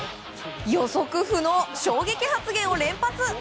予測不能衝撃発言を連発。